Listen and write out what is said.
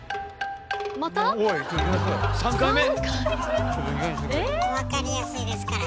また⁉３回目？